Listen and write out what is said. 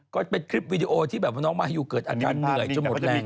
ก็เป็นคลิปวีดีโอที่แบบว่าน้องมายูเกิดอาการเหนื่อยจนหมดแรง